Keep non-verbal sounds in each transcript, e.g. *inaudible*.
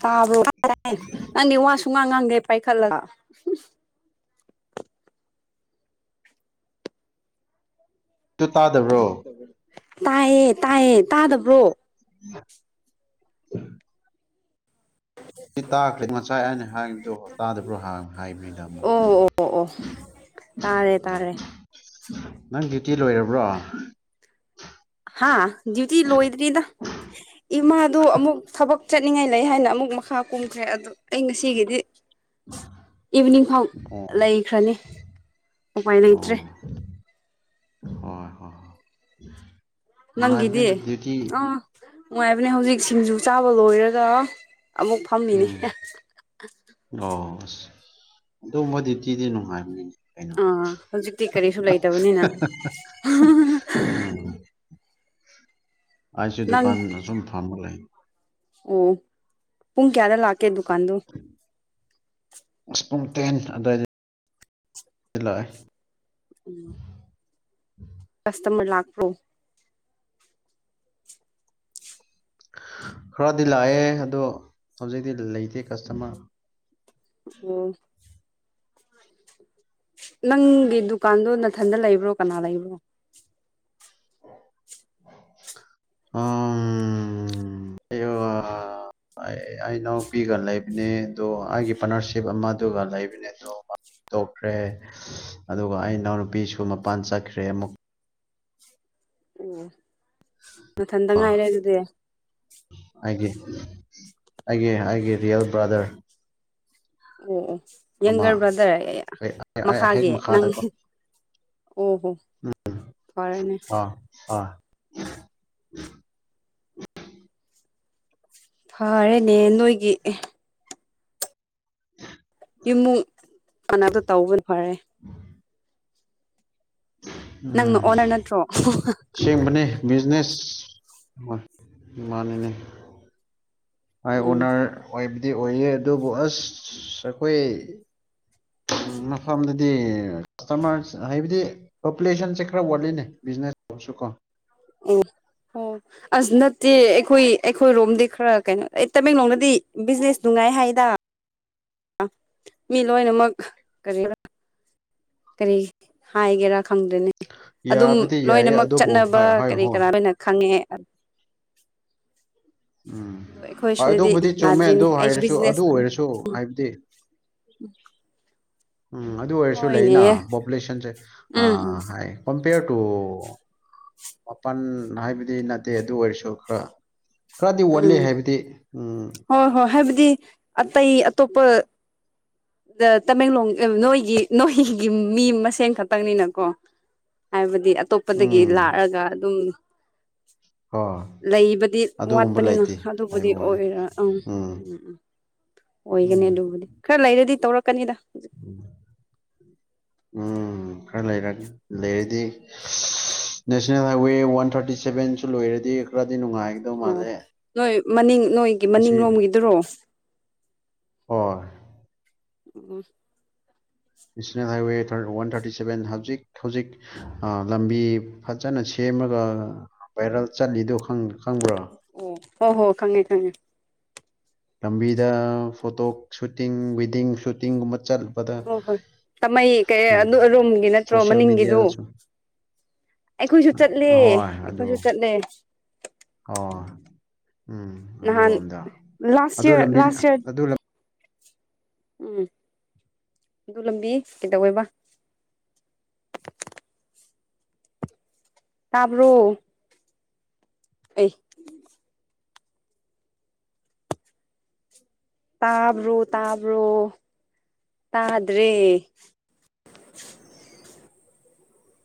ꯇꯕ꯭ꯔ ꯐꯔ ꯑ ꯋꯥꯁꯨꯨꯝꯉ ꯅꯄꯥꯥꯏ ꯈꯜꯂ ꯇꯨ ꯇꯥꯗꯕ꯭ꯔꯣ ꯇꯥꯏꯌꯦꯦ ꯇꯥꯏꯌꯦ ꯇꯥꯗꯕ꯭ꯔꯣ ꯎꯝ *inaudible* ꯇꯥꯈ꯭ꯔꯦ ꯉꯁꯥꯏ ꯑꯩꯅ ꯍꯥꯏꯗꯣ ꯇꯥꯗꯕ꯭ꯔꯣ ꯍꯥꯡꯅ ꯍꯥꯏꯕꯅꯤꯗ ꯑꯃꯨꯛ ꯑꯣ ꯑꯣ ꯑꯣ ꯑꯣ ꯇꯥꯔꯦ ꯇꯥꯔꯦ ꯅꯪ ꯗ꯭ꯌꯨꯇꯤ ꯂꯣꯏꯔꯕ꯭ꯔꯣ ꯍꯥꯥ ꯗꯨꯠꯌ ꯂꯣꯏꯗ꯭ꯔꯤꯗ ꯏꯃꯥꯗꯨ ꯑꯃꯨꯛ ꯊꯕꯛ ꯆꯠꯅꯤꯡꯉꯥꯏ ꯂꯩ ꯍꯥꯏꯅ ꯑꯃꯨꯛ ꯃꯈꯥ ꯀꯨꯝꯈ꯭ꯔꯦ ꯑꯗꯨ ꯑꯩ ꯉꯁꯤꯒꯤꯗꯤ ꯏꯚꯤꯅꯤꯡ ꯐꯥꯎ ꯑꯣ ꯂꯩꯈ꯭ꯔꯅꯤ ꯎꯄꯥꯏ ꯑꯣ ꯂꯩꯇ꯭ꯔꯦ ꯑꯣ *inaudible* ꯅꯪꯒꯤꯗꯤ ꯂꯥꯏꯕꯅꯤꯗ ꯗꯌꯇ ꯑꯥ ꯅꯨꯡꯉꯥꯏꯕꯅꯦ ꯍꯧꯖꯤꯛ ꯁꯤꯡꯖꯨ ꯆꯥꯕ ꯂꯣꯏꯔꯒ ꯑꯃꯨꯛ ꯐꯝꯃꯤꯅꯤ ꯎꯝ ꯑꯗꯨꯣꯕ ꯗ꯭ꯌꯨꯇꯤꯗꯤ ꯅꯨꯡꯉꯥꯏꯕꯅꯤꯅꯦ ꯀꯩꯅꯣ ꯑꯥ ꯍꯧꯖꯤꯛꯇꯤ ꯀꯔꯤꯁꯨ ꯂꯩꯇꯕꯅꯤꯅ ꯑꯩꯁꯦ ꯗꯨꯀꯥꯟ ꯑꯁꯨꯝ ꯐꯕ ꯂꯩ ꯎꯝ ꯄꯨꯨꯡ ꯀꯌꯥꯗ ꯂꯥꯛ ꯀ ꯗꯨꯀꯥꯟꯗ ꯑꯁ ꯄꯨꯡ ꯇꯦꯟ ꯑꯗꯨꯋꯥꯏꯗ ꯂꯥꯛꯑꯦ ꯎꯝ *inaudible* ꯎꯝ *unintelligible* ꯀꯁꯇꯃꯔ ꯂꯥꯛꯄ꯭ꯔꯣ ꯈꯔꯗꯤ ꯂꯥꯛꯑꯦ ꯑꯗꯣ ꯁꯖꯗꯤ ꯂꯩꯇꯦ ꯀꯁꯇꯃ ꯎꯝ ꯅꯪꯒꯤ ꯗꯨꯀꯥꯟꯗꯣ ꯅꯅꯥꯊꯟꯗ ꯂꯩꯕ꯭ꯔꯣ ꯀꯅꯥ ꯂꯩꯕ꯭ꯔꯣ ꯏ ꯏꯅꯥꯎꯅꯨꯄꯤꯒ ꯂꯩꯕꯅꯦ ꯑꯗꯨ ꯑꯩꯒꯤ ꯄꯥꯔꯠꯅꯔꯁꯤꯞ ꯑꯃ ꯑꯗꯨꯒ ꯂꯩꯕꯅꯦ ꯑꯗꯨꯣ ꯇꯣꯛꯈ꯭ꯔꯦ ꯑꯗꯨꯒ ꯑꯩ ꯏꯅꯥꯎꯅꯨꯄꯤꯁꯨ ꯃꯄꯥꯟ ꯆꯠꯈ꯭ꯔꯦ ꯑꯃꯨꯛ ꯑꯣ ꯑ ꯊꯗ ꯉꯥꯏꯔ ꯑꯗꯨꯗꯦ ꯑꯩꯒꯤ ꯑꯩꯒꯤ ꯑꯩꯒꯤ ꯔꯤꯌꯦꯜ ꯕ꯭ꯔꯥꯗꯔ ꯑꯣ ꯑꯣ ꯌꯪꯒꯔ ꯕ꯭ꯔꯥꯗꯔ ꯑꯩ ꯍꯦꯛ ꯃꯈꯥꯒꯤ ꯅꯪ ꯃꯈꯥꯗꯀꯣ ꯑꯣꯍꯣ ꯐꯔꯦꯅꯦ ꯑꯥ *inaudible* ꯐꯔꯦꯅꯦ ꯅꯣꯏꯒꯤ ꯏꯃꯨꯡ ꯀꯅꯛꯇꯣ ꯇꯧꯕꯅ ꯐꯔꯦ ꯅꯪꯅ ꯎꯝ ꯑꯣꯅꯔ ꯅꯠꯇ꯭ꯔꯣ ꯁꯤꯦꯡꯕꯅꯦ ꯕꯤꯖꯤꯅꯦꯁ ꯏꯅꯦ ꯏꯅꯦ ꯍ ꯎꯝ ꯎꯅꯔ ꯑꯣꯏ ꯇꯤ ꯑꯣꯏꯌꯦ ꯑꯗꯨꯕꯨ ꯑꯁ ꯑꯩꯈꯣꯏ ꯃꯐꯝꯗꯗꯤ ꯀꯁꯇꯃꯔ ꯍꯥꯏꯕꯗꯤ ꯄꯣꯄꯨꯂꯦꯁꯟꯁꯦ ꯈꯔ ꯋꯥꯠꯂꯤꯅꯦ ꯕꯤꯖꯤꯅꯦꯁ ꯇꯧꯁꯨ ꯀꯣ ꯑꯣ ꯍꯣꯏ ꯑꯁ ꯅꯠꯇꯦ ꯑꯩꯈꯣꯏ ꯑꯩꯈꯣꯏꯔꯣꯝꯗꯤ ꯈꯔ ꯀꯩꯅꯣ ꯑꯩ ꯇꯃꯦꯡꯂꯣꯡꯗꯗꯤ ꯕꯤꯖꯤꯅꯦꯁ ꯅꯨꯡꯉꯥꯏ ꯍꯥꯏꯗ ꯃꯤ ꯂꯣꯏꯅꯃꯛ ꯀꯔꯤ ꯀꯔꯤ ꯍꯥꯏꯒꯦꯔꯥ ꯈꯪꯗ꯭ꯔꯦꯅꯦ ꯑꯗꯨꯝ ꯌꯥꯕꯗꯤ ꯌꯥꯏꯌꯦ ꯂꯣꯏꯅꯃꯛ ꯑꯗꯨꯕꯨ ꯆꯠꯅꯕ ꯍꯥꯏ ꯍꯥꯏ ꯀꯔꯤ ꯍꯣ ꯀꯔꯥ ꯂꯣꯏꯅ ꯈꯪꯉꯦ ꯑꯝ ꯎꯝ ꯍꯣꯏ ꯑꯗꯨꯕꯨꯗꯤ ꯆꯨꯝꯃꯦ ꯌꯥꯗ꯭ꯔꯤꯅꯦ ꯑꯗꯨ ꯑꯩꯁꯨ ꯍꯥꯏꯔꯁꯨ ꯑꯗꯨ ꯕꯤꯖꯤꯅꯦꯁ ꯑꯣꯏꯔꯁꯨ ꯍꯥꯏꯕꯗꯤ ꯎꯝ ꯑꯗꯨ ꯑꯣꯏꯔꯁꯨ ꯍꯣꯏꯅꯦ ꯂꯩꯅ ꯄꯣꯄꯨꯂꯦꯁꯟꯁꯦ ꯑ ꯎꯝ ꯎꯝ ꯍꯥꯏ ꯀꯝꯄꯤꯌꯔ ꯇꯨ ꯃꯥꯄꯜ ꯍꯥꯏꯕꯗꯤ ꯅꯠꯇꯦ ꯑꯗꯨ ꯑꯣꯏꯔꯁꯨ ꯈꯔ ꯈꯔꯗꯤ ꯋꯥꯠꯂꯤ ꯎꯝ ꯍꯥꯏꯕꯗꯤ ꯎꯝ ꯗꯤ ꯑꯇꯩꯏ ꯑꯇꯣꯞꯄ ꯇꯃꯦꯡꯂꯣꯡ ꯅꯣꯏꯒꯤ ꯅꯣꯏꯒꯤ ꯃꯤ ꯃꯁꯦꯟ ꯈꯛꯇꯪꯅꯤꯅꯀꯣ ꯍꯥꯏꯕꯗꯤ ꯍꯥꯏꯗꯤ ꯑꯇꯣꯞꯄꯗꯒꯤ ꯎꯝ ꯂꯥꯛꯑꯒ ꯑꯗꯨꯝ ꯍꯣꯏ ꯂꯩꯕꯗꯤ ꯑꯗꯨꯒꯨꯝꯕ ꯋꯥꯠꯄꯅꯤꯅ ꯂꯩꯇꯦ ꯑꯗꯨꯕꯨꯗꯤ ꯍꯥꯏꯕ ꯋꯥꯅꯤ ꯑꯣꯏꯔ ꯎꯝ ꯎꯝ ꯎꯝ ꯑꯣꯏꯒꯅꯤ ꯎꯝ ꯑꯗꯨꯕꯨꯗꯤ ꯈꯔ ꯂꯩꯔꯗꯤ ꯇꯧꯔꯛꯀꯅꯤꯗ ꯎꯝ ꯎꯝ ꯈꯔ ꯂꯩꯔ ꯂꯩꯔꯗꯤ ꯅꯦꯁꯅꯦꯜ ꯍꯥꯏꯋꯦ ꯋꯥꯟ ꯊꯥꯔꯇꯤ ꯁꯚꯦꯟꯁꯨ ꯂꯩꯣꯏꯔꯗꯤ ꯈꯔ ꯑꯣ ꯅꯣꯏ ꯃꯅꯤꯡ ꯅꯣꯏꯒꯤ ꯉꯁꯤ ꯃꯅꯤꯡꯂꯣꯝꯒꯤꯗꯨꯔꯣ ꯎꯝ ꯍꯣꯏ national highway one thirty seven ꯍꯧꯖꯤꯛ ꯍꯧꯖꯤꯛ ꯂꯝꯕꯤ ꯐꯖꯅ ꯁꯦꯝꯃꯒ ꯚꯔꯜ ꯆꯠꯂꯤꯗꯣ ꯈꯪ ꯈꯪꯕ꯭ꯔꯣ ꯑꯣ ꯍꯣ ꯍꯣ ꯈꯪꯉꯦ ꯈꯪꯉꯦ ꯂꯝꯕꯤꯗ ꯐꯣꯇꯣ ꯁꯨꯇꯤꯡ ꯋꯤꯗꯤꯡ ꯁꯨꯇꯤꯡꯒꯨꯝꯕ ꯆꯠꯄꯗ ꯍꯣꯏ ꯍꯣꯏ ꯇꯥꯃꯩ ꯀꯩ ꯎꯝ ꯑꯗꯨꯔꯣꯝꯒꯤ ꯅꯠꯇ꯭ꯔꯣ ꯁꯣꯁꯤꯌꯦꯜ ꯃꯅꯤꯡꯒꯤꯗꯨ ꯃꯦꯗꯤꯌꯥꯗꯁꯨ ꯑꯩꯈꯣꯏꯁꯨ ꯆꯠꯂꯦ ꯑꯩꯈꯣꯏꯁꯨ ꯆꯠꯂꯦ ꯑꯣ ꯎꯝ ꯅꯍꯥꯟ ꯑꯗꯨꯔꯣꯝꯗ ꯂꯥꯁ ꯑꯗꯨ ꯌꯔ ꯂꯝꯕꯤ ꯂꯥꯁ ꯌꯔ ꯑꯗꯨ ꯎꯝ ꯑꯗꯨ ꯂꯝꯕꯤ ꯀꯩꯗꯧꯧꯕꯋꯩꯕ ꯇꯥꯕ꯭ꯔꯣ ꯑꯦ ꯇꯥꯕ꯭ꯔꯣ ꯇꯥꯕ꯭ꯔꯣ ꯇꯥꯗ꯭ꯔꯦ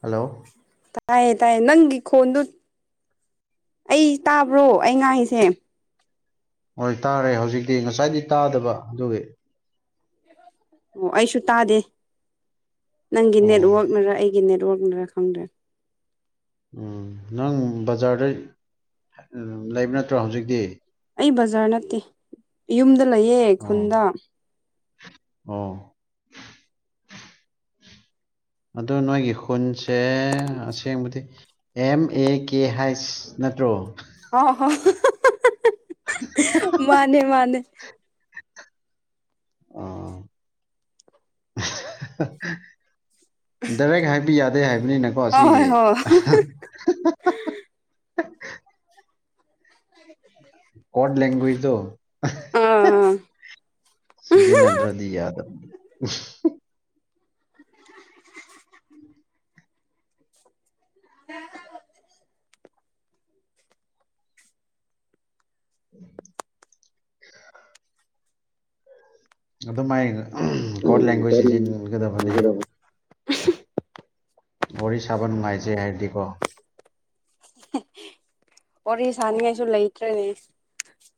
ꯍꯜꯂꯣ ꯇꯥꯏꯌꯦ ꯇꯥꯏꯌꯦ ꯅꯪꯒꯤ ꯈꯣꯟꯗꯨ ꯑꯩ ꯇꯥꯕ꯭ꯔꯣ ꯑꯩ ꯉꯥꯏꯁꯦ ꯍꯣꯏ ꯇꯥꯔꯦ ꯍꯧꯖꯤꯛꯇꯤ ꯉꯁꯥꯏꯗꯤ ꯇꯥꯗꯕ ꯑꯗꯨꯒꯤ ꯑꯣ ꯑꯩꯁꯨ ꯇꯥꯗꯦ ꯅꯪꯒꯤ ꯑꯣ ꯅꯦꯠꯋꯛꯅ꯭ꯔ ꯑꯩꯒꯤ ꯅꯦꯠꯋꯔꯛ ꯈꯪꯗ꯭ꯔꯦ ꯈꯪꯗ꯭ꯔꯦ ꯎꯝ ꯅꯪ ꯕꯖꯥꯔꯗ ꯂꯩꯕ ꯅꯠꯇ꯭ꯔꯣ ꯍꯧꯖꯤꯛꯇꯤ ꯑꯩ ꯕꯔ ꯅꯠꯇꯦ ꯌꯨꯝ ꯂꯩꯌꯦ ꯑꯣ ꯈꯨꯟꯗ ꯑꯣ ꯑꯗꯨ ꯅꯣꯏꯒꯤ ꯈꯨꯟꯁꯦ ꯑꯁꯦꯡꯕꯗꯤ ꯑꯦꯝ ꯑꯦ ꯀꯦ ꯍꯥꯏꯁ ꯅꯠꯇ꯭ꯔꯣ ꯑ ꯍꯣ ꯃꯥꯅꯦ ꯃꯥꯅꯦ ꯑꯥ ꯗꯥꯏꯔꯦꯛ ꯍꯥꯏꯕ ꯌꯥꯗꯦ ꯍꯥꯏꯕꯅꯤꯅꯀꯣ ꯍꯣꯏ ꯁꯤꯒꯤ *inaudible* ꯍꯣꯏ ꯋꯥ ꯂꯦꯡꯒ꯭ꯋꯦꯖ ꯀꯗꯣ ꯑꯥ ꯑꯥ ꯁꯤꯖꯤꯟꯅꯗ꯭ꯔꯗꯤ ꯌꯥꯗꯕꯅꯤ *inaudible* *inaudible* *inaudible* ꯑꯗꯨꯃꯥꯏ ꯀꯣꯔꯠ ꯎꯝ ꯂꯦꯡꯒ꯭ꯋꯦꯖ ꯀꯔꯤ ꯁꯤꯖꯤꯟꯅꯒꯗꯕꯅꯤ ꯇꯧꯒꯗꯕ ꯋꯥꯔꯤ ꯁꯥꯕ ꯅꯨꯡꯉꯥꯏꯖꯩ ꯍꯥꯏꯔꯗꯤꯀꯣ *inaudible* ꯋꯥꯔꯤ ꯁꯥꯅꯤꯡꯉꯥꯏꯁꯨ ꯂꯩꯇ꯭ꯔꯦꯅꯦ *inaudible*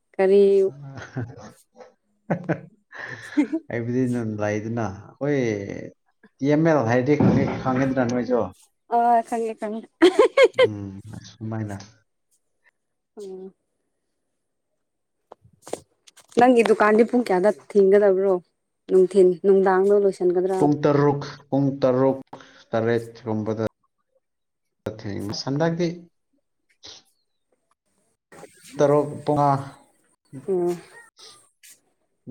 *inaudible* *inaudible* ꯑꯩꯕꯨꯗꯤ ꯅ ꯂꯩꯗꯅ ꯑꯩꯈꯣꯏ ꯇꯤ ꯑꯦꯝ ꯑꯦꯜ ꯍꯥꯏꯗꯤ ꯈꯪꯉꯤꯗꯅ ꯅꯣꯏꯁꯨ ꯑ ꯈꯪꯉꯦ ꯈꯪꯉꯦ ꯎꯝ ꯃꯨꯃꯥꯏꯅ ꯎꯝ ꯅꯪꯒꯤ ꯗꯨꯀꯥꯟꯗꯤ ꯄꯨꯡ ꯀꯌꯥꯗ ꯊꯤꯡꯒꯗꯕ꯭ꯔꯣ ꯅꯨꯡꯊꯤꯟ ꯅꯨꯡꯗꯥꯡꯗꯣ ꯂꯣꯏꯁꯤ ꯄꯨꯡ ꯇꯔꯨꯛ ꯄꯨꯡ ꯇꯔꯨꯛ ꯇꯔꯦꯠꯀꯨꯝꯕꯗ ꯊꯦꯡ ꯍꯟꯗꯛꯀꯤ ꯇꯔꯨꯛ ꯄꯨꯡꯉꯥ ꯎꯝ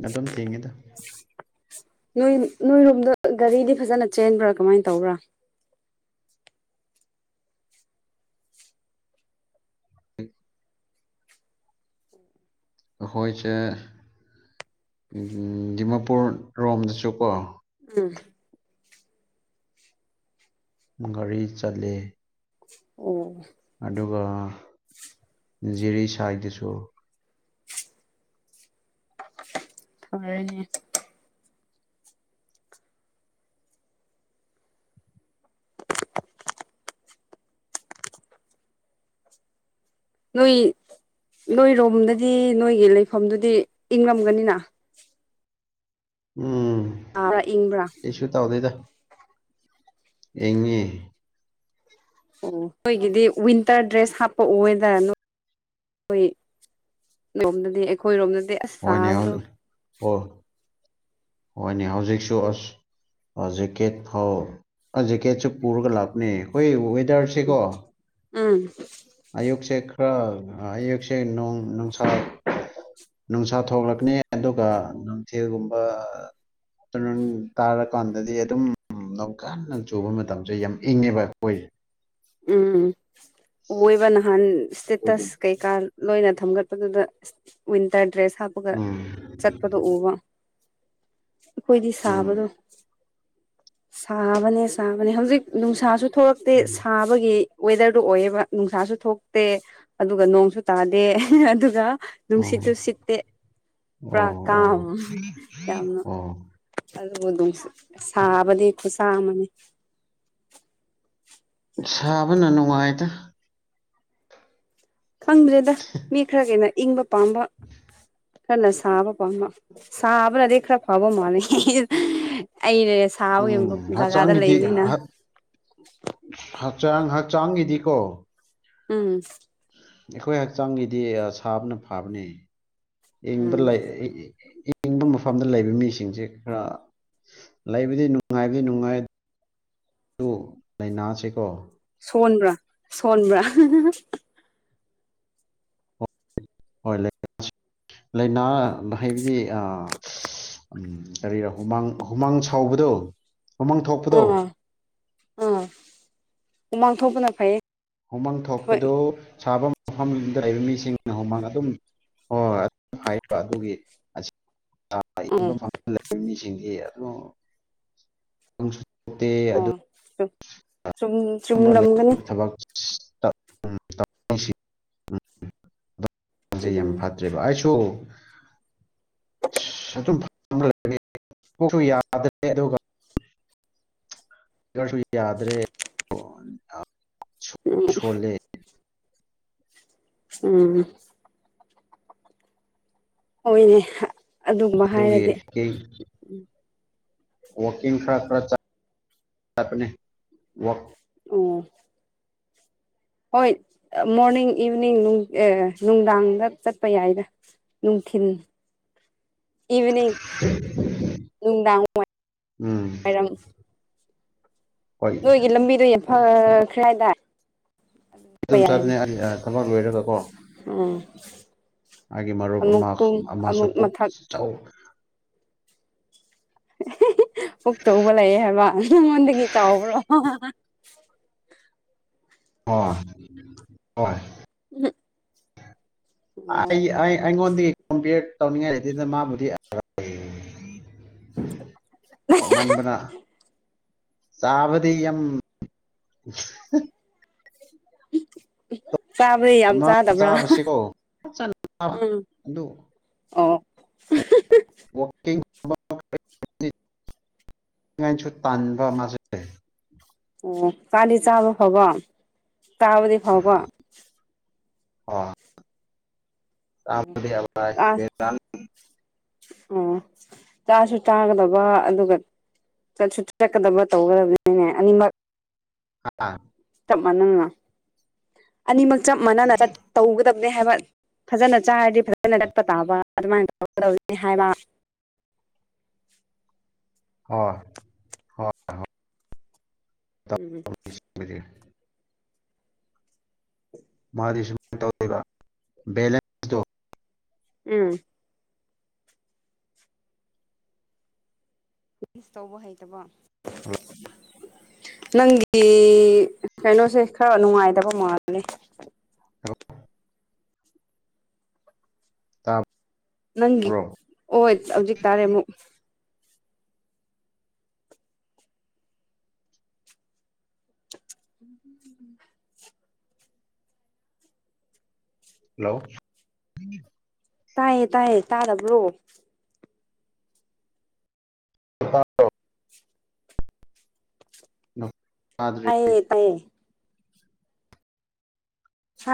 ꯑꯗꯨꯝ ꯊꯦꯡꯉꯤꯗ ꯅꯣꯏ ꯅꯣꯏꯔꯣꯝꯗ ꯒꯥꯔꯤꯗꯤ ꯐꯖꯅ ꯆꯦꯟꯕ꯭ꯔꯥ ꯀꯃꯥꯏꯅ ꯇꯧꯕ꯭ꯔꯥ ꯑꯩꯈꯣꯏꯁꯦ ꯗꯤꯃꯥꯄꯨꯔ ꯔꯣꯝꯗꯁꯨꯀꯣ ꯑ ꯒꯥꯔꯤ ꯆꯠꯂꯦ ꯑꯣ ꯑꯗꯨꯒ ꯖꯤꯔꯤ ꯁꯥꯏꯗꯁꯨ ꯍꯔꯅꯤ *inaudible* ꯅꯣꯏ ꯅꯣꯏꯔꯣꯝꯗꯗꯤ ꯅꯣꯏꯒꯤ ꯂꯩꯐꯝꯗꯨꯗꯤ ꯏꯪꯉꯝꯒꯅꯤꯅ ꯎꯝ ꯁꯥꯕ꯭ꯔꯥ ꯏꯪꯕ꯭ꯔꯥ ꯀꯩꯁꯨ ꯇꯧꯗꯣꯏꯗ ꯑꯦꯉꯦ ꯑꯣ ꯅꯈꯣꯏꯒꯤꯗꯤ ꯋꯤꯟꯇꯔ ꯗ꯭ꯔꯦꯁ ꯍꯥꯞꯄꯛꯑꯣꯗꯔ ꯅ ꯑꯩꯈꯣꯏꯣꯝꯗꯗꯤ ꯑꯩꯈꯣꯏꯔꯣꯝꯗꯗꯤ ꯑꯁ ꯍꯣꯏꯅꯦ ꯍꯧ ꯁꯥꯕꯗꯣ ꯑꯣ ꯍꯣꯏꯅꯦ ꯍꯧꯖꯤꯛꯁꯨ ꯑꯁ ꯖꯦꯀꯦꯠ ꯐꯥꯎ ꯑꯁ ꯖꯦꯀꯦꯠꯁꯨ ꯄꯨꯔꯒ ꯂꯥꯞꯅꯦ ꯍꯣꯏ ꯀꯋꯦꯗꯔꯁꯤꯦꯀꯣ ꯎꯝ ꯈꯔ ꯑꯌꯦꯛꯁꯦꯣꯡ ꯅꯨꯡꯁꯥ ꯅꯨꯡꯁꯥ ꯊꯣꯛꯂꯛꯅꯤ ꯑꯗꯨꯒ ꯅꯨꯡꯊꯤꯜꯒꯨꯝꯕ ꯑꯥꯇꯔꯅ ꯇꯥꯔꯀꯥꯟꯗꯗꯤ ꯑꯗꯨꯝ ꯣꯡꯀꯟꯅ ꯆꯨꯕ ꯃꯇꯝꯁꯦ ꯌꯥꯝ ꯏꯪꯉꯦꯕ ꯑꯩꯈꯣꯏꯁꯦ ꯎꯝ ꯑꯣꯏꯣꯏꯕ ꯅꯍꯥꯟ ꯑꯗꯨꯒꯤ ꯏꯁꯇꯦꯇꯁ ꯀꯩꯀꯥ ꯂꯣꯏꯅ ꯊꯝꯒꯠꯄꯗꯨꯗ ꯋꯤꯟꯇꯔ ꯗ꯭ꯔꯦꯁ ꯊꯥꯞꯄꯒ ꯎꯝ ꯆꯠꯄꯗꯣ ꯎꯕ ꯑꯩꯣꯏꯗꯤ ꯎꯝ ꯁꯥꯕꯗꯣ ꯁꯥꯕꯅꯦ ꯁꯥꯕꯅꯦ ꯍꯧꯖꯤꯛ ꯅꯨꯡꯁꯥꯁꯨ ꯊꯣꯛꯂꯛꯇꯤ ꯑꯩꯒꯤ ꯋꯦꯗꯔꯗꯨ ꯑꯣꯏꯌꯦꯕ ꯅꯨꯡꯁꯥꯁꯨ ꯊꯣꯛꯇꯦ ꯑꯗꯨꯒ ꯅꯣꯡꯁꯨ ꯇꯥꯗꯦ ꯑꯗꯨꯒ ꯑꯣ ꯅꯨꯡꯁꯤꯠꯇꯨ ꯁꯤꯠꯇꯦ ꯄꯨꯔꯥ ꯑꯣ ꯑꯣ ꯀꯥꯝ ꯌꯥꯝꯅ ꯑꯣ ꯑꯗꯨꯜ ꯃ ꯑꯗꯨ ꯁꯥꯕꯗꯤ ꯈꯨꯠꯁꯥ ꯑꯃꯅꯤ *inaudible* ꯁꯥꯕꯅ ꯅꯨꯡꯉꯥꯏꯇ ꯈꯪꯗ꯭ꯔꯦꯗ ꯃꯤ ꯈꯔ ꯀꯩꯅ ꯏꯪ ꯄꯥꯝꯕ ꯈꯅ ꯁꯥꯕ ꯄꯥꯝꯕ ꯁꯥꯕꯅꯗꯤ ꯈꯔ ꯐꯕ ꯃꯥꯜꯜꯂꯤ ꯑꯩꯅꯅꯦ ꯁꯥꯕꯒꯤ ꯎꯝ ꯖꯒꯥꯗ ꯍꯛꯆꯥꯡꯒꯤꯗꯤ ꯂꯩꯕꯅꯤꯅ ꯆꯥꯡ ꯍꯛꯆꯥꯡꯒꯤꯗꯤꯀꯣ ꯎꯝ ꯑꯩꯈꯣꯏ ꯍꯛꯆꯥꯡꯒꯤꯗꯤ ꯁꯥꯕꯅ ꯐꯕꯅꯦ ꯏ ꯎꯝ ꯂꯩ ꯏꯪꯕ ꯃꯐꯝꯗ ꯂꯩꯕ ꯃꯤꯁꯤꯡꯁꯦ ꯈꯔ ꯂꯩꯕꯗꯤ ꯅꯨꯡꯉꯥꯏꯕꯗꯤ ꯅꯨꯡꯉꯥꯏ ꯂꯩꯥꯏꯅꯥꯁꯤꯀꯣ ꯁꯣꯟꯕ꯭ꯔꯥ ꯁꯣꯟꯕ꯭ꯔꯥ ꯍꯣꯏ ꯂꯥꯏꯅꯥ ꯍꯥꯏꯕꯗꯤ ꯀꯔꯤꯔ ꯍꯨꯃꯥꯡ ꯍꯨꯃꯥꯡ ꯁꯥꯎꯕꯗꯣ ꯃꯃꯥꯡ ꯊꯣꯛꯄꯗꯧ ꯑꯥ ꯑꯥ ꯎꯃꯥꯡ ꯊꯣꯛꯄꯅ ꯐꯩꯌꯦ ꯍꯨꯃꯪ ꯍꯣꯏ ꯊꯣꯛꯄꯗꯨ ꯁꯥꯐꯝ ꯑꯍꯝ ꯂꯩꯕ ꯃꯤꯁꯤꯡꯅ ꯍꯨꯃꯥꯡ ꯑꯗꯨꯝ ꯑꯣ ꯍꯥꯏꯕ ꯑꯗꯨꯒꯤ ꯎꯝ ꯏꯕ ꯐꯪ ꯂꯩꯕ ꯃꯤꯁꯤꯡꯁꯤ ꯑ ꯅꯠꯇꯦ ꯑꯗꯨ ꯑꯣ ꯆꯨꯝ ꯆꯨꯝꯂꯝꯝꯒꯅꯤ *inaudible* ꯁꯦ ꯌꯥꯝ ꯎꯝ ꯐꯠꯇ꯭ꯔꯦꯕ ꯑꯩꯁꯨ ꯁ ꯁ ꯑꯗꯨꯝ ꯁꯨ ꯌꯥꯗ꯭ꯔꯦ ꯑꯗꯨꯒ *unintelligible* ꯎꯝ ꯁꯣꯂ ꯎꯝ ꯑꯣꯏꯣꯏꯅꯦ ꯑꯗꯨꯒꯨꯝꯕ ꯑꯗꯨꯒꯤ ꯍꯥꯏꯔꯗꯤ ꯎ ꯋꯥꯀꯤ ꯈꯔ ꯈꯔ ꯆ ꯑꯣ ꯍꯣꯏ ꯃꯣꯔꯅꯤꯡ ꯏꯚꯤꯅꯤꯡ ꯅꯨꯡꯗꯥꯡꯗ ꯆꯠꯄ ꯌꯥꯏꯗ ꯅꯨꯡꯊꯤꯤꯟ ꯏꯚꯅꯤꯡ ꯅꯨꯡꯗꯥꯡ ꯋꯥꯏ ꯎꯝ ꯋꯥꯏꯔꯝ ꯍꯣꯏ ꯅꯣꯏꯒꯤ ꯂꯝꯕꯤꯗꯣ ꯌꯥꯝꯐꯈ꯭ꯔꯦ ꯍꯥꯏꯗꯥ ꯑꯗꯨꯝ ꯆꯥꯗꯨꯏꯅꯦ ꯑꯩ ꯊꯕꯛ ꯂꯣꯏꯔꯒ ꯀꯣ ꯎꯝ ꯃꯥꯒꯤ ꯃꯔꯨꯞ ꯑꯃꯨꯛ ꯑꯃꯥꯈ ꯀꯨꯝ ꯑꯃꯥꯁꯨ ꯑꯃꯨꯛ ꯄꯨꯛ ꯃꯊꯛ ꯆꯧ ꯑꯍꯦꯍꯦ ꯄꯨꯛ ꯆꯧꯕ ꯂꯩꯑꯦ ꯍꯥꯏꯕ ꯅꯪꯉꯣꯟꯗꯒꯤ ꯆꯥꯎꯕ꯭ꯔꯣ ꯑꯣ ꯍꯣꯏ ꯍꯝ ꯑ ꯑꯩ ꯑꯩ ꯑꯩꯉꯣꯟ ꯗꯤ ꯀꯝꯄꯤꯌꯔ ꯇꯧꯅꯤꯡꯉꯥꯏ ꯂꯩꯇꯦꯗ ꯃꯥꯕꯨꯗꯤ ꯑꯣꯛ ꯃꯥꯟꯕꯅ ꯆꯥꯕꯗꯤ ꯌꯥꯝ *inaudible* ꯌꯥꯝ ꯃꯥ ꯆꯥꯗꯕ꯭ꯔꯥ ꯆꯥꯕꯁꯤꯀꯣ *inaudible* ꯑꯗꯨ ꯑꯍꯍ ꯋꯥꯀꯤꯡ *unintelligible* ꯇꯥꯟꯕ ꯃꯥꯁꯦ ꯑꯣ ꯃꯥꯗꯤ ꯆꯥꯕ ꯐꯕ ꯇꯥꯕꯗꯤ ꯐꯪꯕ ꯑꯣ ꯆꯥꯕꯗꯤ ꯑꯥ *unintelligible* ꯑꯣ ꯆꯥꯁꯨ ꯆꯥꯒꯗꯕ ꯑꯗꯨꯒ ꯆꯠꯁꯨ ꯆꯠꯀꯗꯕ ꯇꯧꯒꯗꯕꯅꯤꯅꯦ ꯑꯅꯤꯃꯛ ꯍꯥꯥ ꯆꯞ ꯃꯥꯟꯅꯅ ꯑꯅꯤꯃꯛ ꯆꯞ ꯃꯅꯅ ꯆꯠ ꯇꯧꯒꯗ ꯗꯦ ꯍꯥꯏꯕ ꯐꯖꯅ ꯆꯥꯔꯗꯤ ꯐꯖꯅ *unintelligible* ꯇꯥꯕ ꯑꯗꯨꯃꯥꯏꯅ ꯇꯧꯒꯗꯧꯅꯤ ꯍꯥꯏꯕ ꯍꯣꯏ ꯍꯣꯏ ꯍꯣꯏ ꯎꯝ ꯇꯧꯔꯤꯁꯤꯡꯕꯨꯗꯤ ꯃꯥꯗꯤ ꯁꯨꯝ ꯇꯧꯌꯦꯕ ꯕꯦꯂꯦꯟꯁꯇꯣ ꯎꯝ ꯇꯧꯕ ꯍꯩꯇꯕ ꯅꯪꯒꯤ ꯀꯩꯅꯣꯁꯦ ꯈꯔ ꯅꯨꯡꯉꯥꯏꯇꯕ ꯃꯥꯜꯂꯦ ꯍꯜꯂꯣ ꯇꯥ ꯅꯪꯒꯤ ꯑꯣꯏ ꯍꯧꯖꯤꯛ ꯇꯥꯔꯦꯃꯨꯛ *inaudible* ꯍꯜꯂꯣ ꯇꯥꯏꯌꯦ ꯇꯥꯏꯌꯦ ꯇꯥꯗꯕ꯭ꯔꯣ ꯅꯣ ꯇꯌꯦ ꯇꯑꯌꯦ ꯍꯥ